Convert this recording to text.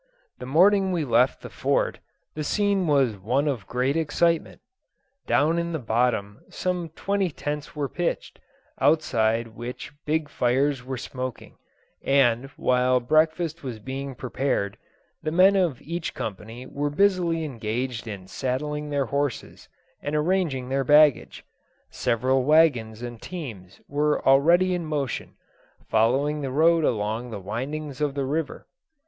The morning we left the Fort the scene was one of great excitement. Down in the bottom some twenty tents were pitched, outside which big fires were smoking; and, while breakfast was being prepared, the men of each company were busily engaged in saddling their horses and arranging their baggage; several wagons and teams were already in motion, following the road along the windings of the river.